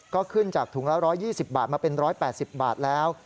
ก็ขึ้นจากถุงละ๑๒๐บาทมาเป็น๑๘๐บาทแล้ว